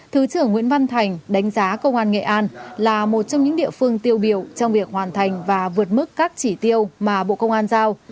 thứ trưởng nguyễn văn thành đánh giá công an nghệ an là một trong những địa phương tiêu biểu trong việc hoàn thành và vượt mức các chỉ tiêu mà bộ công an giao